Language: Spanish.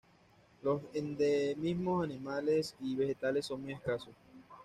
Los endemismos animales y vegetales son muy escasos.